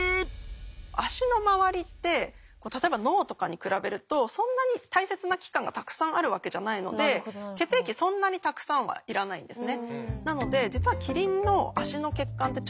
足の周りって例えば脳とかに比べるとそんなに大切な器官がたくさんあるわけじゃないので血液そんなにたくさんは要らないんですね。